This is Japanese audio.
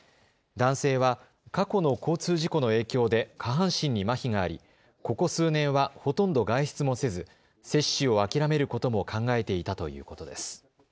男性は過去の交通事故の影響で下半身にまひがあり、ここ数年は、ほとんど外出もせず接種を諦めることも考えていたということです。